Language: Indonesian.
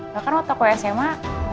bahkan waktu aku sma